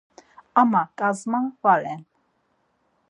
Ama ǩasma va ren.